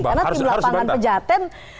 karena di lapangan pejaten